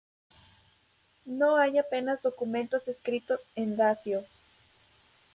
No hay apenas documentos escritos en dacio.